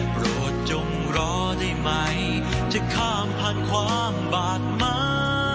โปรดจงรอได้ไหมจะข้ามผ่านความบาดมา